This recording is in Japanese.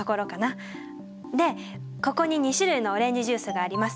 でここに２種類のオレンジジュースがあります。